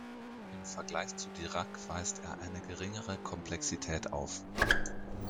Im Vergleich zu Dirac weist er eine geringere Komplexität auf.